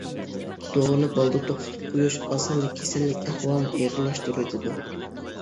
دورىنى بالدۇر توختىتىپ قويۇش ئاسانلا كېسەللىك ئەھۋالىنى ئېغىرلاشتۇرۇۋېتىدۇ.